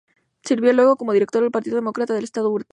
Sirvió luego como director del partido demócrata del estado de Utah.